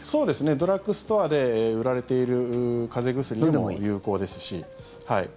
ドラッグストアで売られている風邪薬でも有効ですし。